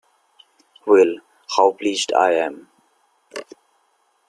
Well, how pleased I am!